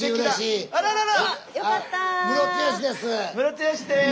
ムロツヨシです。